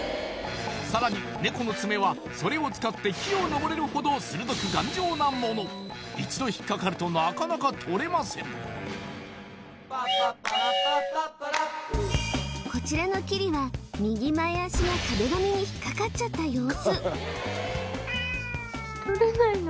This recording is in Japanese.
さらにネコの爪はそれを使って木をのぼれるほど鋭く頑丈なもの一度引っかかるとなかなか取れませんこちらのきりは右前脚が壁紙に引っかかっちゃった様子・取れないの？